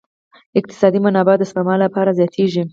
اقتصادي منابع د سپما له لارې زیاتیږي.